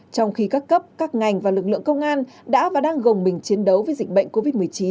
trong khi các cấp các ngành và lực lượng công an đã và đang gồng mình chiến đấu với dịch bệnh covid một mươi chín